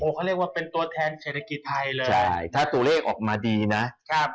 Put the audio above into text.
เขาเรียกว่าเป็นตัวแทนเศรษฐกิจไทยเลยใช่ถ้าตัวเลขออกมาดีนะครับ